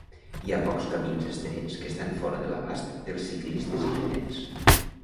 Hi ha pocs camins estrets que estan fora de l'abast dels ciclistes i genets.